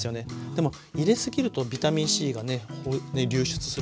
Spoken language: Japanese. でもゆで過ぎるとビタミンＣがね流出するから。